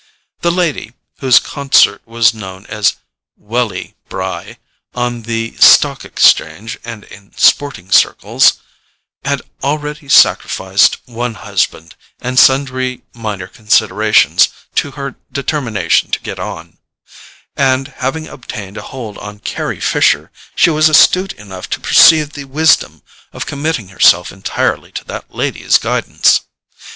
The lady (whose consort was known as "Welly" Bry on the Stock Exchange and in sporting circles) had already sacrificed one husband, and sundry minor considerations, to her determination to get on; and, having obtained a hold on Carry Fisher, she was astute enough to perceive the wisdom of committing herself entirely to that lady's guidance.